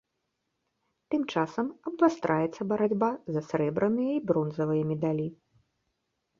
Тым часам абвастраецца барацьба за срэбраныя і бронзавыя медалі.